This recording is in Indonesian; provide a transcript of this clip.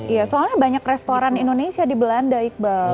iya soalnya banyak restoran indonesia di belanda iqbal